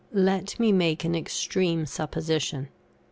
Let me make an extreme supposition.